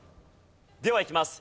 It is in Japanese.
ではいきます。